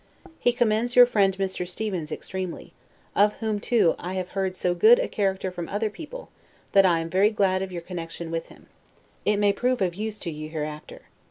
He commends your friend Mr. Stevens extremely; of whom too I have heard so good a character from other people, that I am very glad of your connection with him. It may prove of use to you hereafter.